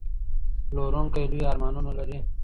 پلورونکی لوی ارمانونه لري.